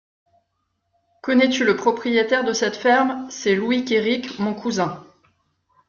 Connais-tu le propriétaire de cette ferme ? C'est Louis Kéric, mon cousin.